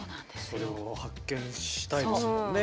それを発見したいですもんね。